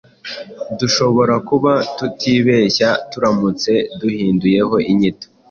Dushobora kuba tutibeshya turamutse duhinduyeho inyito